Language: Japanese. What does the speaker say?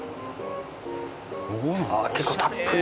ああ結構たっぷり。